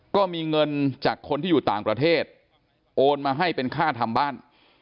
ก็มีเงินจากคนที่อยู่ต่างประเทศโอนมาให้เป็นค่าทำบ้าน